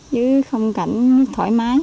chứ không cảnh thoải mái